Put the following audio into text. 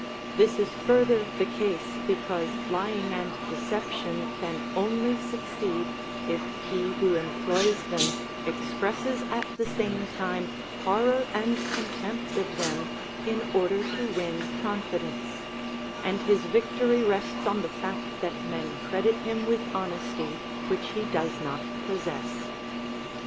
This is further the case because lying and deception can only succeed if he who employs them expresses at the same time horror and contempt of them in order to win confidence, and his victory rests on the fact that men credit him with honesty which he does not possess.